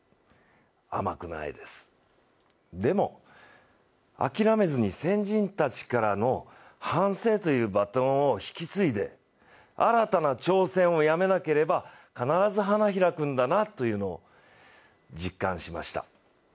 甘くないです、でも諦めずに先人たちからの反省というバトンを引き継いで新たな挑戦をやめなければ必ず花開くんだなというのを実感しました。